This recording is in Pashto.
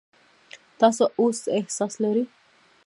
تاسو اوس څه احساس لرئ؟